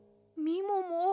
みもも